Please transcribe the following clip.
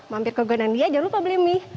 mampir ke gunung nia jangan lupa beli mie